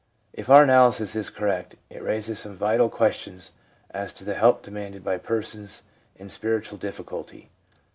If our analysis is correct, it raises some vital questions as to the help demanded by persons in spiritual difficulty.